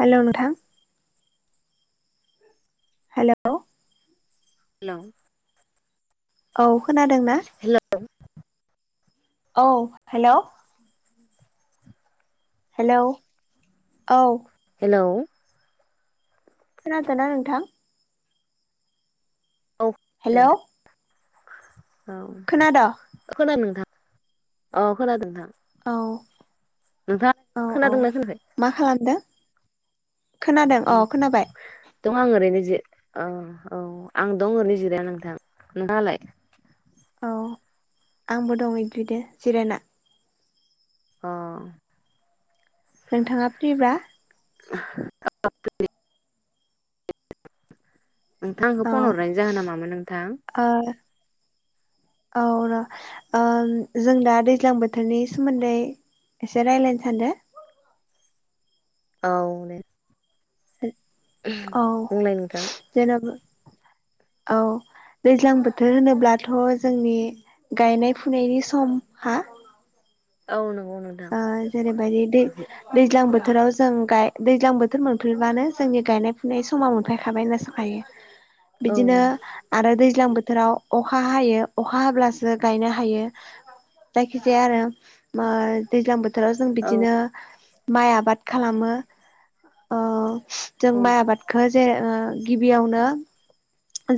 Hello नोंथां hello hello औ खोनादों ना? औ हेलौ हेलौ औ हेलौ खोन थ न नथां औ हेलौ औ खोनाद' खोनादों नोंथां औ खोनादों नोंथां। औ औ नोंथाङ औ खोनादोंना खोनाया? मा खालामदों खोनादों औ खोनाबाय। दं आं ओरैनो जि औ आं दं ओरैनो जिरायना नोंथां नोंङालाय औ आंबो दं एग्रिदो जिरायना अ नोंथाङा फ्रिब्रा [unintelligible] नोंथां आंखौ फन हरनाय औ जाहोन नामामोन ओ नोंथां। औ र' जों दा दैज्लां बोथोरनि सोमोन्दै एसे रायज्लायनो थां दे औ द औ नोंथां जेनेबा औ। दैज्लां बोथोर होनोब्लाथ' जोंनि गायनाय फुनायनि समहा [unintelligible] आनो जेरैबायदि दै दैज्लां बोथोराव जों गाय दैज्लां बोथोर मोनफैब्लानो जोंनि गायनाय फुनाय समाव मोनफैखाबाय होनना सोखायो। औ बिदिनो आरो दै दैज्लां बोथोराव अखा हायो अखा हाब्लासो गायनो हायो। दखिस आरो ब दैज्लां बोथोराव जों औ बिदिनो माइ आबाद खालामो। जों माइ आबादखौ जेरै गिबियावनो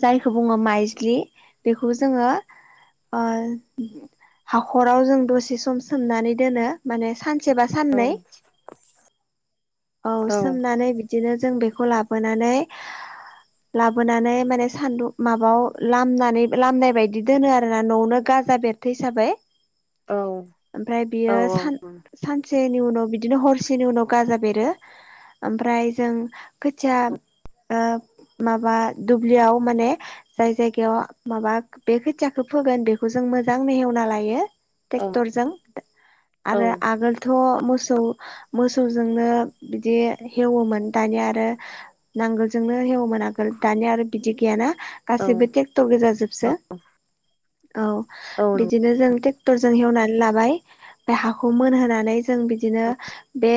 जायखौ बुङो माइज्लि बेखौ जोङो हाखराव जों दसे सम सोमनानै दोनो माने सानसे बेसेबा औ साननै औ सोमनानै बिदि बिदिनो जों बेखौ लाबोनानै लाबोनानै माने सान्दुं माबायावलाम लामनाय बायदि दोनो आरोोना न'आवनो ग राजाजा बेरथ हिसाबै औ औ औ नंगौ बियोानसे हसेनि उनाव बिदिनो हरसेनि उनाव गाजा बेरो ओमफ्राय जों खोथिया आ माबा दुब्लियाव माने जाय जायगायाव माबा बे खोथियाखौ फोगोन बेखौ जों मोजां मेहेवना लायो औ ट्रेक्टरजों आरो आगोलथ मोनो बिदि हेवोमोन दानिया आरो आगोलजोंनो हेवमोन आगोल दानिया आरो बिदि गैयाना गासिबो ट्रेक्टर जाजोबसै औ बिदिनो जों ट्रेक्टरजों एवनानै लाबाय बे हाखौ मोनहोनानै जों बिदिनो बे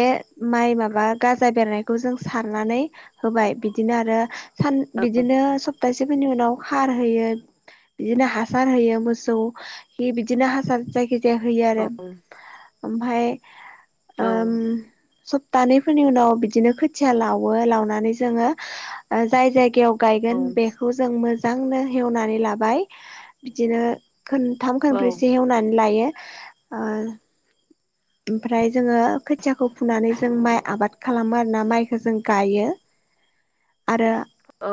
माइ माबा गाजा बेरनायखौ जों जों सारनानै होबाय बिदिनो आरो सान बिदिनो सप्तासेफोरनि उनाव खार होयो बिदिनो हासार होयो मोसौ हि बिदिनो हासार जायखिाया बि होयो आरो ओ भाय आ सप्तानैफोरनि उनाव बिदिनो खोथिया लावो लावनानै जोङो जाय जायगायाव गायगोन बेखौ जों मोजांनो हेवनानै लाबाय बिदिनो खनथाम खनब्रैसो एवनानै लायो ओमफ्राय जोङो खोथियाखौ फुनानै जों माइ आबाद खालामो आर ना माइखौ जों गायो आरो औ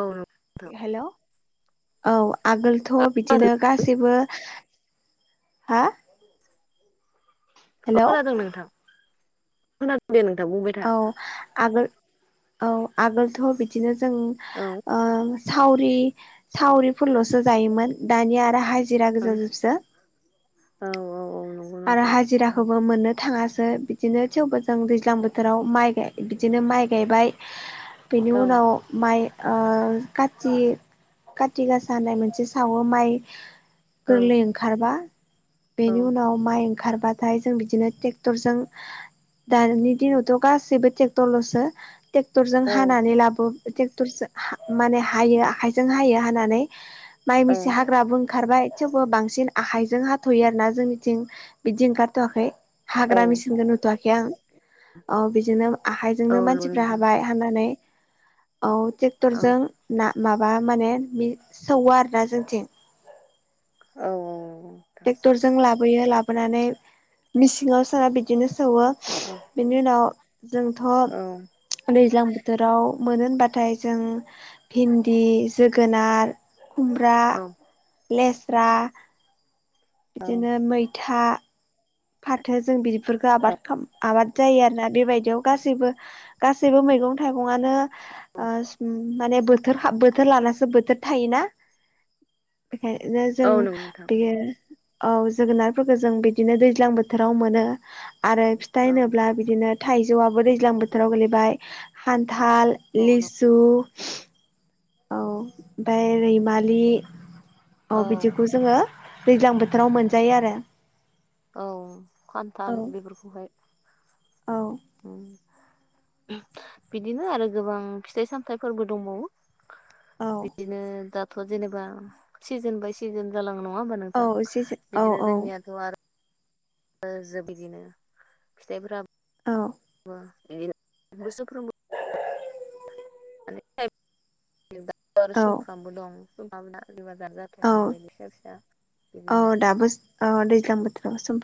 हेल' औ आगोलथ' औ बिदिनो गासैबो हा अ हेलौ खोनादों नोंथां खोनादों दे नोंथ औ आगोल औ आगोलथ' बिदिनो जों औ सावरि सावरिफोरल'सो जायोमोन दानिया आरो ह औ औ औ औ नंगौ आरो नोंथां हाजिराखौबो मोनो थाङासो बिदिनो थेवबो जों दैज्लां बोथोराव माइ बिदिनो माइ गायबाय बेनि औ उनाव माइ थि कति गासा होननाय मोनसे सावो माइ औ गोरलै ओंखारबा बेनि उनाव माइ ओंखारबाथाय जों बिदिनो ट्रेक्टरजों दानि दिनावथ' गासैबो ट्रेक्टरल'सो ट्रेक्टरजोंों औ हानानै लाबो ट्रेक्टरजों माने हायो आखाइजों हायो हानानै माइ मिसे औ हाग्रा ब ओंखारबाय थेवबो बांसिन आखाइजों हाथ'यो आरो ना जोंनिथिं बिदि ओंखारथ'वाखै औ हाग्रा मेसििनखौ नुथ'वाखै आं औ बिदिनो औ आखाइजोंनो नंगौ मानसिफ्रा नोंथां हाबाय हनानै औ औ ट्रेक्टरजों ना माबा माने सौवा आरोोना जोंथिं औ औ ट्रेक्टर जों लाबोयो लाबोनानै मिसिङाव सोना बिदिनो सौो बेनि उनाव जोंथ'ै दैज्लां बोथोराव मोनो होनबाथाय जों भिन्दि जोगोनार खुम्राा औ लेस्रा औ बिदिनो मैथा फाथो जों बिदिफोरखौ आबाद आबाद जायो आरोोना बेबायदियाव गासैबो गासैबो मैगं थाइगंानो माने बोथ बोथोर लानासो बोथोर थायोना बेखायनो जों औ नंगौ नोंथां बेयो नंगौ औ जोगोनारफोरखौ जों बिदिनो दै ्लां बोथोराव मोन आरो फिथ औ होनोब्ला बिदिनो थ जौआबो दैज्लां बोथोराव गोलैबाय खान्थाल औ नंगौ लिसु औ ओमफ्राय रैमालि औ बिदिखौ जोङो दैज्लां बोथोराव मोनजायो आरो औ औ खान्थाल बेफोरखौहाय औ बिदिनो आरो गोबां फिथाइ सामथाइफोरबो दंबावो औ बिदिनो दाथ' जेनेबा सिजोन बाय सिजोन जालां नङा होमबा औ नोंथां एसेसो औ बिदिनो औ जोंनियाथ' आरो जोब बिदिनो फिथाइफ्राब औ बिदिनो बोसोरफ्रोम [unintelligible] आरो औ सुमफ्रामबो दं [unintelligible] बिबार बिबार औ जाथ'वाखै नायलाय [unintelligible] औ बिदिनो दाबो दैज्लां बोथोरावबा सुमफ्राम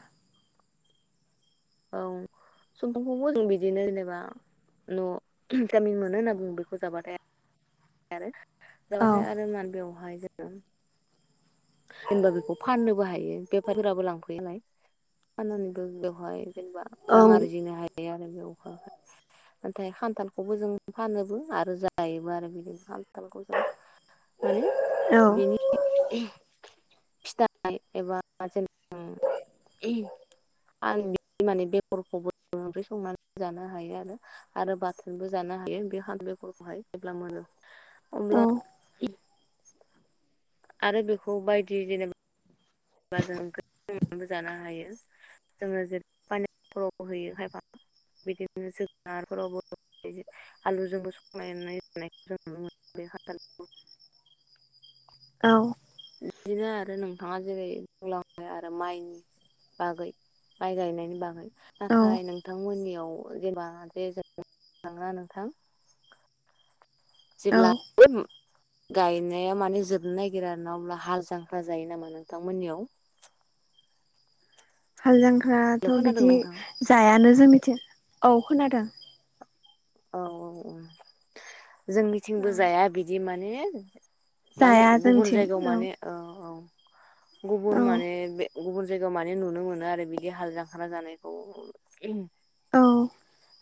[inaudible] सुमफ्रामखौबो जों बिदिनो जेनेबा न बिथामिन मोनो होनना बुङो बेखौ जाबाथाय आरो औ जाबाथाय आरो मान बेवहाय जोङो जेनेबा बेखौ फाननोबो हायो बेफारिफोराबो लांफैयोलाय फाननानैबो बेवहाय जेनेबा औ रां आरजिनो हायो आरो नाथाय खान्थालखौबो जों फानोबो आरो जायोबो आरो बिदिनो [unintelligible] खानथालखौ जों माने औ बिनि फिथाइ एबा जेनबा आं माने बेगरखौबो ओंख्रि संनानै जानो हायो आरो आरो बाथोनबो जानो हायो बे [unintelligible] बेगरखौहाय जेब्ला मोनो [inaudible] अब्ला आरो बेखौ बायदि जेनेबा बा जों ओंख्रिफोरजोंबो जानो हायो जोङो जेरै [unintelligible] होयो खायफा बिदिनो जोगोनारफोरावबो आलु जोंबो सं जानायखौ जों नुनो मोनो बे [unintelligible] औ बिदिनो आरो नोंथाङा जेरै बुंलांबाय आरो माइनि बागै माइ गायनायनि बागै औ नाथाय नोंथांमोननियाव जेनबा जे जों [unintelligible] नोंथां औ जेब्ला गायनाया माने जोबनो नागिरो ना अब्ला हाल जांख्रा जायो नामा नोंथांमोननियाव? [inaudible] हाल हेलौ जांख्राथ' खोनादों बिदि नोंथां? जायानो जोंनि थिं औ खोनादों औ औ औ औ जोंनिथिंबो जाया बिदि माने माने जाया गुबुन जोंथिं जायगायाव औ माने औ गुबुन औ माने बे गुबुन जायगायाव माने नुनो मोनो आरो बिदि हाल जांखा जानायखौ औ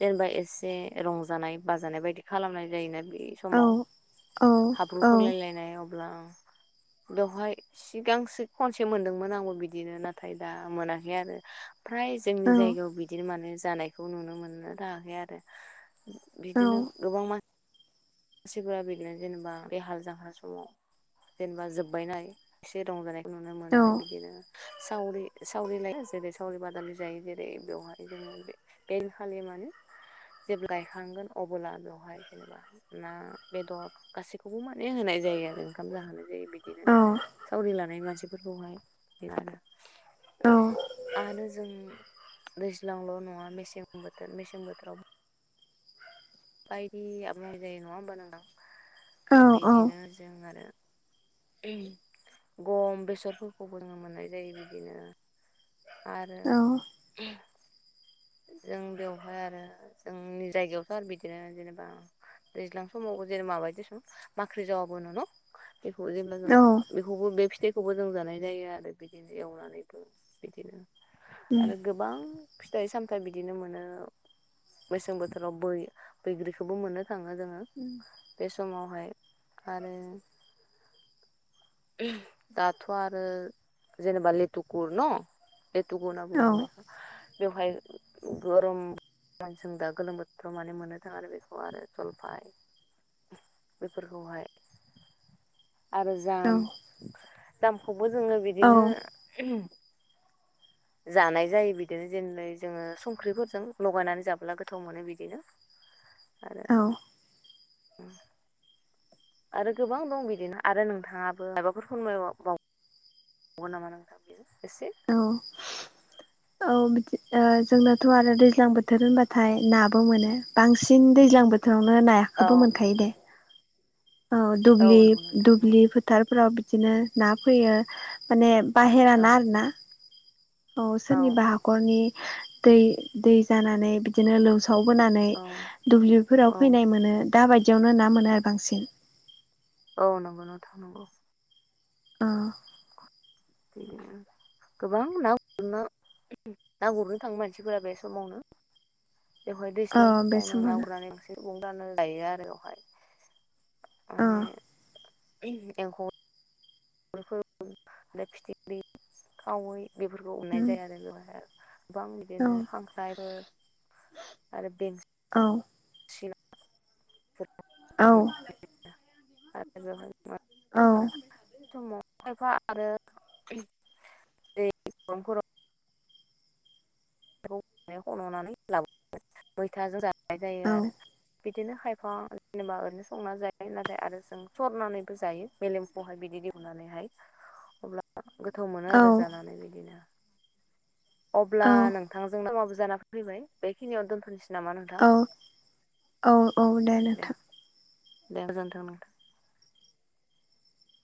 जेनेबा एसे रंजानाय बाजानाय बायदि खालामनाय जायोना बे औ समाव औ हाब्रु औ फोनलायलायनाय अब्ला [inaudible] बेवहाय सिगांसो खनसे मोनदोंमोन आंबो बिदिनो नाथाय दा मोनाखै आरो ओमफ्राय फ्राय औ जोंनि जायगायाव बिदिनो माने जानायखौ नुनो मोनो थायाखै आरो औ बिदिनो गोबां मानसि मानसिफोरा बिदिनो जेनेबा बे हाल जांख्रा समाव जेनेबा जोब्बायनाय एसे रंजानायखौ नुनो औ मोनो बिदिनो सावरि सावरि लायो जेरै सावरि बादालि जायो जेरै बेवहाय जोङो बे बे दिन खालि माने जे गायखांगोन अबोब्ला बेवहाय जेनेबा ना बेदर गासैखौबो माने होनाय जायो आरो ओंखाम जाहोनाय जायो बिदिनो सावरि लानाय मानसिफोरखौहाय [unintelligible] आरो जों दैजांल' नङा मेसे बोथोर मेसें बोथोराव बायदि आबाव जायो नङा होमब ना बिदिनो जों आरो गम बेसरफोरखौ बङ मोननाय जायो बिदिनो आरो जों बेवहाय आरो जोंनि जायगायावथ' आरो बिदिनो जेनेबा दैज्लां समाव जेर माबायदि सम माख्रि जावाबो न न बेखौ जेनबा जों बेखौबो बे थखौबो जों जानाय जायो आरो बिदिनो एवनानैबो बिदिनो आरो गोबां फिथाइ सामथायाइ बिदिनो मोनो मेसें बोथोराव ब बैग्रिखौबो मोनो थाङो जोङो बे समावहाय आरो दाथ' आरो जेनेबा लेटु कुर न बेथुगु होनना बुङो बेखौ बेवहाय गरम मान जों दा गोलोम बोथोराव माने मोननो थाङ आरो बेखौ आरो जलफाय बेफोरखौहाय आरो जाम जामखौबो जोङो बिदिनो जानाय जायो बिदिनो जेनलाय जोङो संख्रिफोरजों लगायनानै जाबोला गोथाव मोनो बिदिनो औ उ आरो गोबां दं बिदिनो आरो नोंथाङाबो माबाफोर फोरायबाव हगौ नामा नोंथांयो ए औ औ बिदि जोंनाथ' आरो दैज्लां बोथोर होनबाथाय नाबो मोनो बांसिन दैज्लां बोथोर बेावनो नायाखखौबो औ मोनखायो दे औ दुब नंगौ नोंथां दुब्लि नंगौ फोथारफोराव बिदिनो ना फैयो माने बाहेर औ ना आर ना औ सोरनिबा हाखरनि दै दै जानानै बिदिनो लौ ाव बोनानै औ दुब्लिफोराव औ फैनाय मोनो द बायदि खाथियावनो ना मोनो आरो बांसिन औ नंगौन' थानगौ [unintelligible] गोबां ना हनो ना गुरनो थाङो मानसिफोरा बे समावनो बेवहाय औ दैज्लां बे समावनो नागुरनानै मोनांसे उं राननानै लायो आरो बेवहाय औ म ए गुरफोर ओम फिथिख्रि खावै बेफोरखौ अननाय उम जायो आरो बेवाया गोबां औ बिदिनो खांख्रायफोर आरो बे औ औ औ आरो औ फ खायफा आरो जेरैांफोराव हन'नानै लाबो मैथाजों रानाय जायो औ आरो बिदिनो खायफा जेनेबा ओरैनो संनानै जायो नाथाय आरो जों सरनानैबो जायो मेलेमखौहाय बिदि सनानैहाय अब्ला गोथाव मोनो आरो जानानै बिदिनो अब्ला औ नोंथांजोंनो माबो जाना फैबाय बेखिनियावनो दोनथ'नोसै नामा नोंथां औ औ औ दे नोंथां दे गोजोन्थों नोंथां